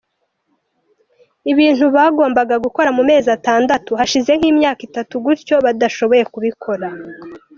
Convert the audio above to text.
Ibintu bagombaga gukora mu mezi atandatu hashize nk’imyaka itatu gutyo badashoboye kubikora.